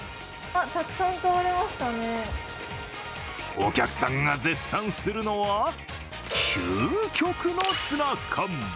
お客さんが絶賛するのは、究極のツナ缶。